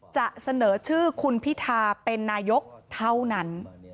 จะเสนอชื่อคุณพิธาเป็นนายกเท่านั้น